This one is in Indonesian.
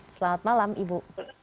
selamat malam ibu